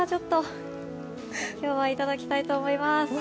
今日はいただきたいと思います。